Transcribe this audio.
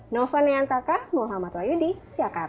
nova neantaka muhammad wahyudi jakarta